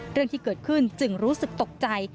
เรื่องที่เกิดขึ้นจึงรู้สึกตกใจ